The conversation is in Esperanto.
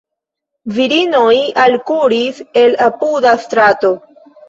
Virinoj alkuris el apuda strato.